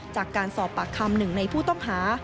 จากการสอบปากคำหนึ่งในผู้ต้องหา